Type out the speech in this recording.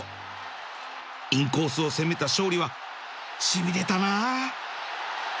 インコースを攻めた勝利はしびれたな